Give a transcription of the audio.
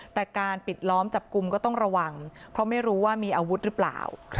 แต่การปิดล้อมจับกลุ่มก็ต้องระวังเพราะไม่รู้ว่ามีอาวุธหรือเปล่า